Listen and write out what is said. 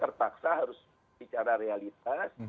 tertaksa harus bicara realitas